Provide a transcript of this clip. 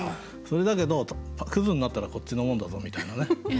それだけどくずになったらこっちのもんだぞみたいなね。